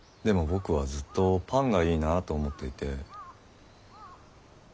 でも僕はずっとパンがいいなぁと思っていて。